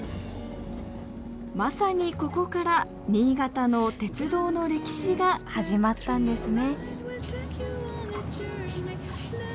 まさにここから新潟の鉄道の歴史が始まったんですね